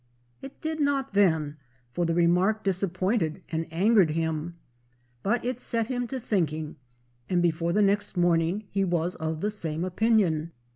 It did not then, for the remark disappointed and angered him. But it set him to thinking and before the next morning he was of the same opinion.